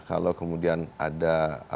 kalau kemudian ada